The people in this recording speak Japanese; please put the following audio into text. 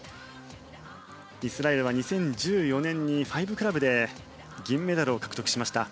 イスラエルは２０１４年に５クラブで銀メダルを獲得しました。